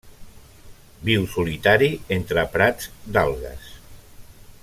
Viu solitari entre prats d'algues.